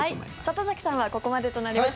里崎さんはここまでとなります。